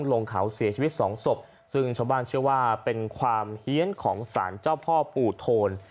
ลงเขาเสียชีวิตสองศพซึ่งชาวบ้านเชื่อว่าเป็นความเฮียนของสารเจ้าพ่อปู่โทน